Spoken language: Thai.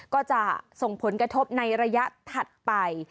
ก็จะส่งผลกระทบในระยะถัดไป